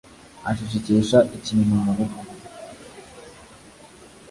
Acecekesha ikintu mu gutwi.